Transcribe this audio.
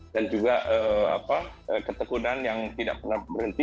dan juga ketekunan yang tidak pernah berhenti